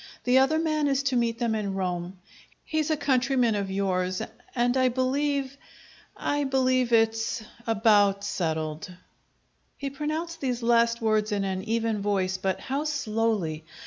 The other man is to meet them in Rome. He's a countryman of yours, and I believe I believe it's about settled!" He pronounced these last words in an even voice, but how slowly!